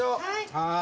はい？